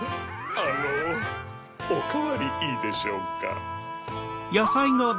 あのおかわりいいでしょうか？